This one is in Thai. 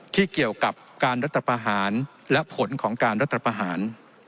ที่เกี่ยวกับการรัฐประหารและผลของการรัฐประหาร